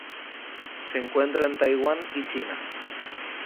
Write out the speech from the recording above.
Se encuentra en Taiwán y China.